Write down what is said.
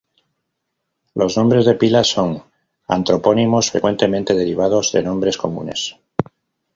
Los nombres de pila son antropónimos, frecuentemente derivados de nombres comunes.